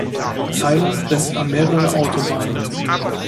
Tyler grenzt an mehrere Autobahnen.